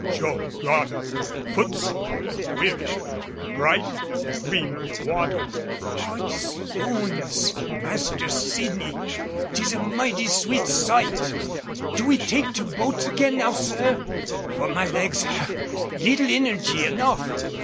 Job Goddard, footsore and weary, brightened at the gleam of the water. "'Odds 'ounds! Master Sydney, 'tis a mighty sweet sight. Do we take to the boats again now, sir? For my legs have little energy enough.